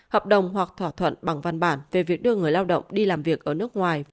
hợp đồng hoặc thỏa thuận bằng văn bản về việc đưa người lao động đi làm việc ở nước ngoài